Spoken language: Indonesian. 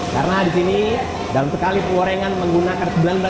karena disini dalam sekali pengorengan menggunakan